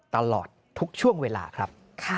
ตลอดทุกช่วงเวลาครับ